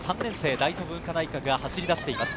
大東文化大学が走り出しています。